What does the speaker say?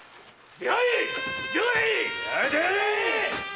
出会え！